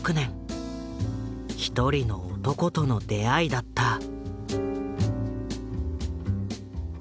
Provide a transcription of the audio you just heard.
一人の男との出会いだった。